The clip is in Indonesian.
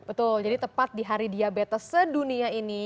betul jadi tepat di hari diabetes sedunia ini